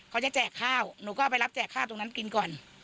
แจกข้าวหนูก็เอาไปรับแจกข้าวตรงนั้นกินก่อน